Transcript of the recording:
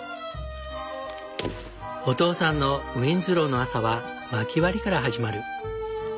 お父さんのウィンズローの朝は薪割りから始まる。